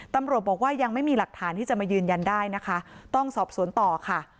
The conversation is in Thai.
ตำรวจบอกว่ายังไม่มีหลักฐานที่จะมายืนยันได้นะคะต้องสอบสวนต่อค่ะ